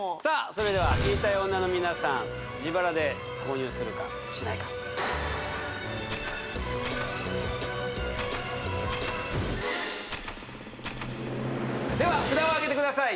それでは言いたい女の皆さん自腹で購入するかしないかでは札をあげてください